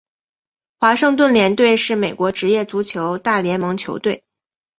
华盛顿联队是美国职业足球大联盟球队。